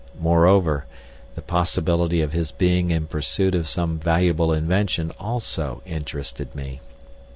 Moreover, the possibility of his being in pursuit of some valuable invention also interested me.